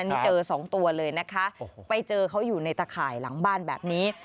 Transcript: นี่เจอสองตัวเลยนะคะไปเจอเขาอยู่ในตะข่ายหลังบ้านแบบนี้